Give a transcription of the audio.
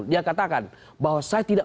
dia katakan bahwa saya tidak